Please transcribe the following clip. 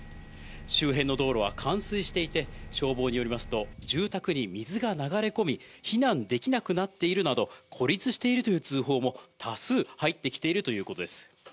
周辺の道路は冠水していて、消防によりますと、住宅に水が流れ込み、避難できなくなっているなど、孤立しているという通報も多数入ってきているということです。